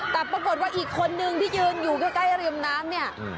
แต่ปรากฏว่าอีกคนนึงที่ยืนอยู่ใกล้ริมน้ำเนี่ย